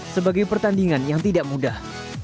sebagai pertandingan yang tidak mudah